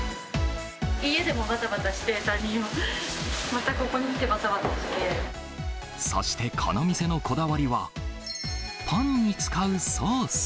家でもばたばたして、そしてこの店のこだわりは、パンに使うソース。